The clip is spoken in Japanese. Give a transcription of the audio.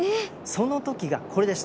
その時がこれでした。